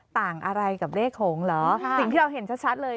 ต่างอะไรกับเลขโขงเหรอสิ่งที่เราเห็นชัดเลย